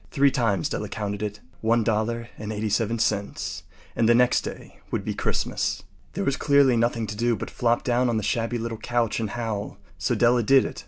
Three times Della counted it. One dollar and eighty seven cents. And the next day would be Christmas. There was clearly nothing to do but flop down on the shabby little couch and howl. So Della did it.